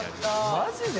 マジで？